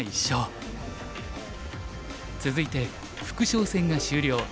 続いて副将戦が終了。